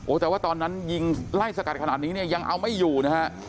แต่ว่าตอนนั้นยิงไล่สกัดขนาดนี้เนี่ยยังเอาไม่อยู่นะฮะ